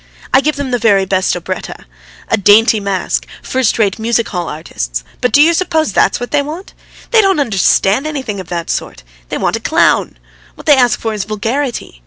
I give them the very best operetta, a dainty masque, first rate music hall artists. But do you suppose that's what they want! They don't understand anything of that sort. They want a clown; what they ask for is vulgarity.